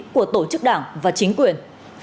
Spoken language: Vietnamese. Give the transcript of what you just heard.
của tổ chức đảng và chính quyền